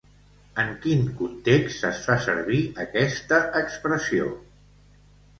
En quin context es fa servir aquesta expressió?